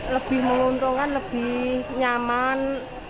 lebih meluntungkan lebih nyaman